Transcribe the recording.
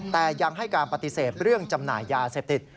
แต่ยังให้การปฏิเสธเรื่องจำหน่ายยาเสพติด